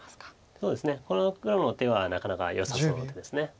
そうですねこの黒の手はなかなかよさそうな手です。